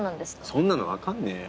そんなの分かんねえよ。